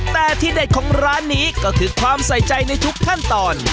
แต่ที่เด็ดของร้านนี้ก็คือความใส่ใจในทุกขั้นตอน